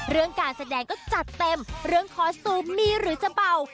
เรื่องการแสดงก็จัดเต็มเรื่องคอสตูมมีหรือจะเบา